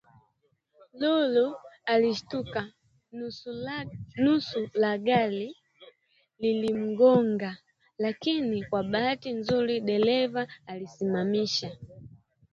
Lulu alishtuka nusuragari limgonge lakini kwa bahati nzuri dereva alilisimamisha